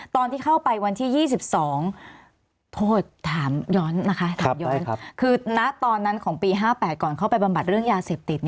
ตอนที่เข้าไปวันที่๒๒โทษถามย้อนนะคะถามย้อนคือณตอนนั้นของปี๕๘ก่อนเข้าไปบำบัดเรื่องยาเสพติด